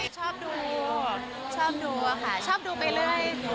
ชอบดูชอบดูชอบดูไปเลย